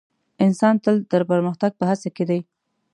انسان تل د پرمختګ په هڅه کې دی.